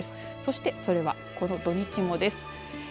そして、それはこの土日もです。